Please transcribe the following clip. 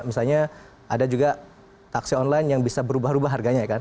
misalnya ada juga taksi online yang bisa berubah ubah harganya ya kan